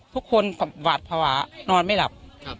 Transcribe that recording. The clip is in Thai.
ทุกคนหวาดภาวะนอนไม่หลับ